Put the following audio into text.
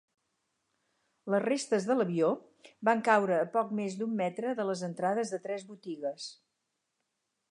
Les restes de l'avió van caure a poc més d'un metre de les entrades de tres botigues.